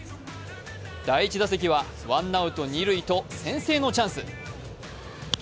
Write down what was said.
第１打席はワンアウト二塁と先制のチャンス。